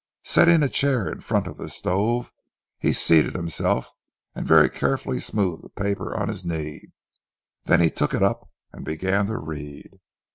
Setting a chair in front of the stove, he seated himself, and very carefully smoothed the paper on his knee. Then he took it up and began to read.